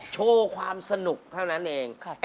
โชว์ความสนุกเท่านั้นเอง